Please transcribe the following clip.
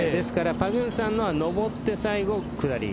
パグンサンのは上って最後下り。